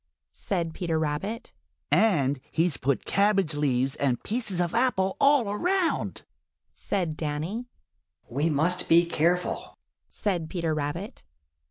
said Peter Rabbit. "And he's put cabbage leaves and pieces of apple all around," said Danny. "We must be careful!" said Peter Rabbit.